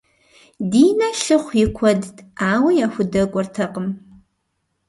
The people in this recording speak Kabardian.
Динэ лъыхъу и куэдт, ауэ яхудэкӏуэртэкъым.